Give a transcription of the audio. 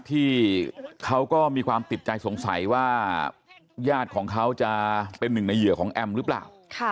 ที่เขาก็มีความติดใจสงสัยว่าญาติของเขาจะเป็นหนึ่งในเหยื่อของแอมหรือเปล่า